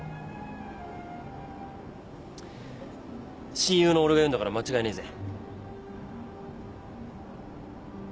親友の俺が言うんだから間違いねえぜ。